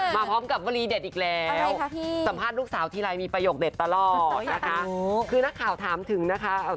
มาพร้อมกับวลีเด็ดอีกแล้วสัมภาษณ์ลูกสาวทีไรมีประโยคเด็ดตลอดนะคะคือนักข่าวถามถึงนะคะ